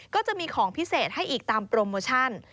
ก็จะมีของพิเศษให้อีกตามโปรโมชั่น